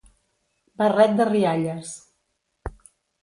Barret de rialles.